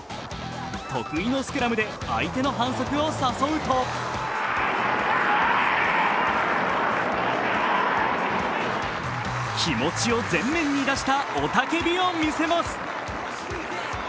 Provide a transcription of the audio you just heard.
得意のスクラムで相手の反則を誘うと気持ちを前面に出した雄たけびを見せます。